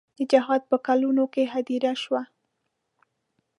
د جهاد په کلونو کې هدیره شوه.